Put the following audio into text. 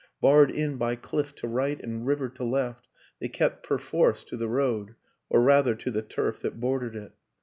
Barred in by cliff to right and river to left, they kept perforce to the road or, rather, to the turf that bordered it.